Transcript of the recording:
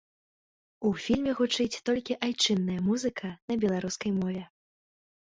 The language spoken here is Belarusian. У фільме гучыць толькі айчынная музыка на беларускай мове.